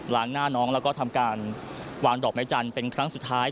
หน้าน้องแล้วก็ทำการวางดอกไม้จันทร์เป็นครั้งสุดท้าย